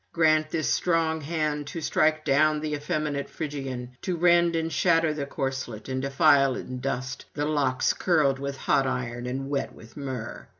Grant this strong hand to strike down the effeminate Phrygian, to rend and shatter the corslet, and defile in dust the locks curled with hot iron and wet with myrrh.'